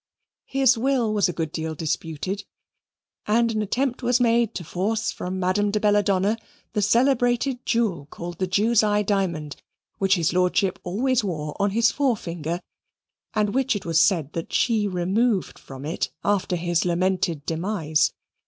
His will was a good deal disputed, and an attempt was made to force from Madame de Belladonna the celebrated jewel called the "Jew's eye" diamond, which his lordship always wore on his forefinger, and which it was said that she removed from it after his lamented demise.